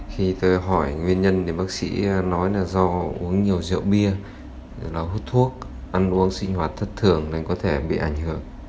khi tôi hỏi nguyên nhân thì bác sĩ nói là do uống nhiều rượu bia là hút thuốc ăn uống sinh hoạt thất thường nên có thể bị ảnh hưởng